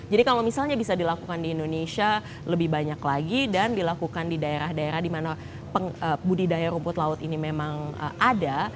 jadi kalau misalnya bisa dilakukan di indonesia lebih banyak lagi dan dilakukan di daerah daerah di mana budidaya rumput laut ini memang ada